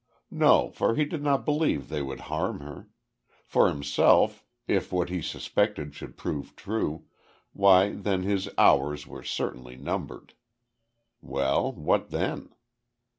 No for he did not believe they would harm her. For himself, if what he suspected should prove true why then his hours were certainly numbered. Well, what then?